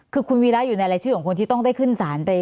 คือคุณวีระอยู่ในรายชื่อของคนที่ต้องได้ขึ้นสารไป